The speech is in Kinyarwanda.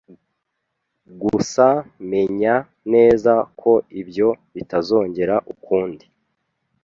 Gusa menya neza ko ibyo bitazongera ukundi.